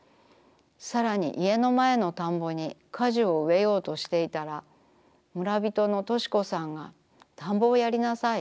さらに家のまえの田んぼに果樹を植えようとしていたら村びとのとしこさんが田んぼをやりなさい。